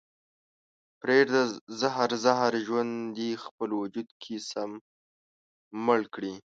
پرېږده زهر زهر ژوند دې خپل وجود کې سم مړ کړي